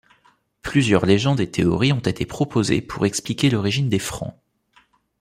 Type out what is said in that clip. Plusieurs légendes et théories ont été proposées pour expliquer l'origine des Francs.